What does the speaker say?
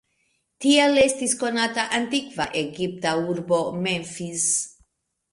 Tiel estis konata antikva egipta urbo "Memphis".